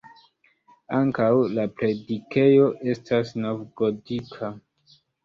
Ankaŭ la predikejo estas novgotika.